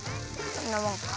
こんなもんか。